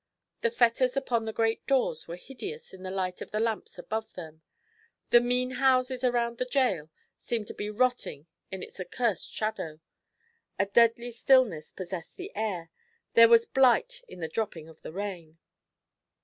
The fetters upon the great doors were hideous in the light of the lamps above them; the mean houses around the gaol seemed to be rotting in its accursed shadow. A deadly stillness possessed the air; there was blight in the dropping of the rain.